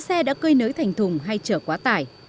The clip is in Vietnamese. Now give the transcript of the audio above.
lỡ xe đã cơi nới thành thùng hay trở quá tải